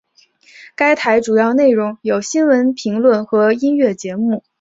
该台主要内容有新闻评论和音乐节目。